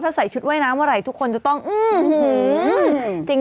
ถ้าใส่ชุดว่ายน้ำเมื่อไหร่ทุกคนจะต้องอื้อหือจริง